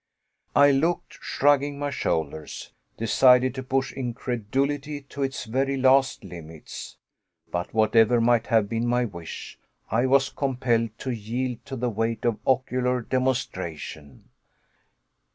I looked, shrugging my shoulders, decided to push incredulity to its very last limits. But whatever might have been my wish, I was compelled to yield to the weight of ocular demonstration.